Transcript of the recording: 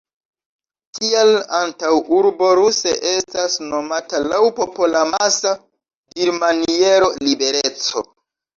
Tial antaŭurbo ruse estas nomata laŭ popolamasa dirmaniero "libereco".